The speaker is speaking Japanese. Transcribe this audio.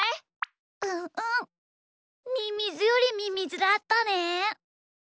うんうんミミズよりミミズだったね。